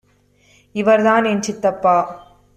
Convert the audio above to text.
இவர் தான் என் சித்தப்பா